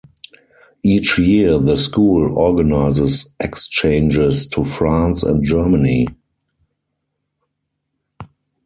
Each year the school organises exchanges to France and Germany.